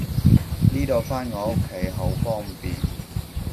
呢度返我屋企好方便